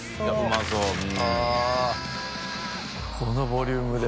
このボリュームで。